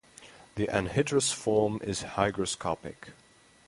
The anhydrous form is hygroscopic.